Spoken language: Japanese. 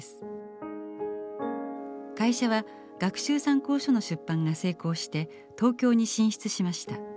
会社は学習参考書の出版が成功して東京に進出しました。